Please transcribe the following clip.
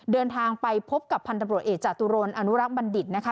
เดินทางไปพบกับพันธบรวจเอกจตุรนอนุรักษ์บัณฑิตนะคะ